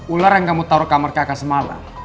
ular yang kamu taruh kamar kakak semalam